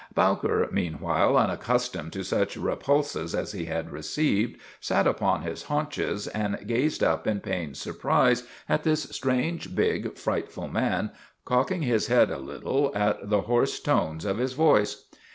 Bowker, meanwhile, unaccustomed to such re pulses as he had received, sat upon his haunches and gazed up in pained surprise at this strange, big, frightful man, cocking his head a little at the hoarse tones of his voice.